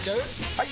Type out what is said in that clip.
・はい！